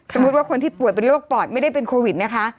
สมมุติว่าคนที่ป่วยเป็นโรคปอดไม่ได้เป็นโควิดนะคะ